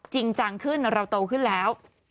จริงจังขึ้นเราโตขึ้นแล้ว